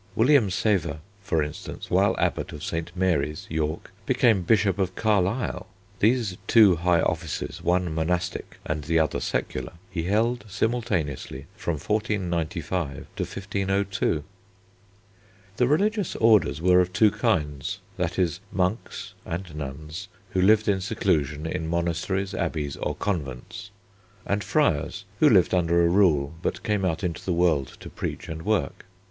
William Sever, for instance, while Abbot of St. Mary's, York, became Bishop of Carlisle. These two high offices, one monastic and the other secular, he held simultaneously from 1495 to 1502. The religious orders were of two kinds, viz. monks (and nuns) who lived in seclusion in monasteries, abbeys, or convents, and friars, who lived under a rule but came out into the world to preach and work.